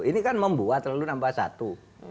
ini kan membuat lalu nambah satu